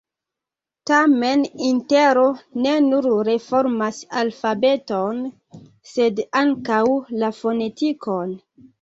Tamen Intero ne nur reformas alfabeton, sed ankaŭ la fonetikon.